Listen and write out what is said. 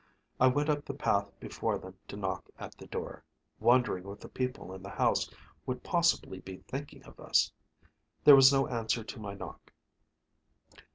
I went up the path before them to knock at the door, wondering what the people in the house would possibly be thinking of us. There was no answer to my knock.